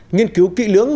nghiên cứu kỹ lưỡng